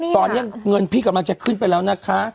ตอนนี้เงินพี่กำลังจะขึ้นไปแล้วนะคะ